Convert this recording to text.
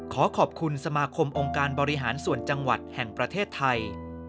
ขอขอบคุณสมาคมองค์การบริหารส่วนจังหวัดแห่งประเทศไทย